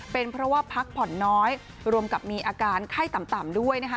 เป็นเพราะว่าพักผ่อนน้อยรวมกับมีอาการไข้ต่ำด้วยนะคะ